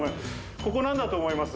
ここ、なんだと思います？